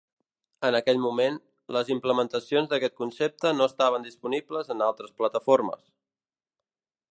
En aquell moment, les implementacions d'aquest concepte no estaven disponibles en altres plataformes.